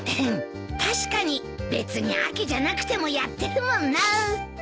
確かに別に秋じゃなくてもやってるもんなぁ。